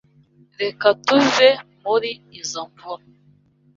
Reka tuve muri izoi mvura.